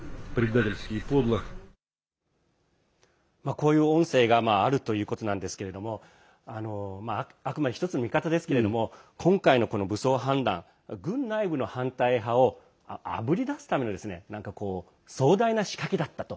こういう音声があるということなんですけれどもあくまで１つの見方ですけれども今回の武装反乱、軍内部の反対派をあぶり出すための壮大な仕掛けだったと。